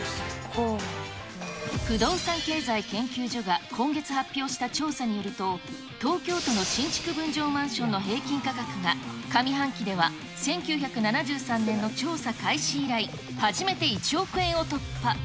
不動産経済研究所が今月発表した調査によると、東京との新築分譲マンションの平均価格が上半期では１９７３年の調査開始以来、初めて１億円を突破。